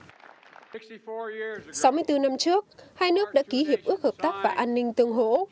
sáu mươi bốn năm trước hai nước đã ký hiệp ước hợp tác và an ninh tương hổ